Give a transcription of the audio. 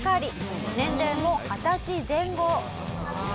年齢も二十歳前後。